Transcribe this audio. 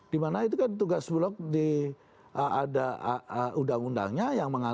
di mana itu kan tugas bulog di ada undang undangnya yang mengatur bahwa bulog itu sudah diberikan kewenangan